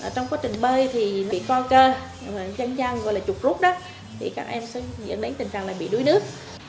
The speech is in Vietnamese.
trong quá trình bơi thì bị co cơ dân gọi là trục rút đó thì các em sẽ dẫn đến tình trạng là bị đuối nước